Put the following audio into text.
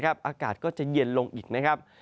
อากาศก็จะเย็นลงอีกนะครับ